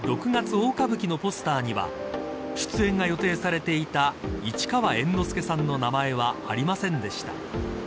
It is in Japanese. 大歌舞伎のポスターには出演が予定されていた市川猿之助さんの名前はありませんでした。